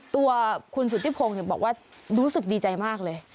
ตัวคุณสุธิพงศ์บอกว่ารู้สึกดีใจมากเลย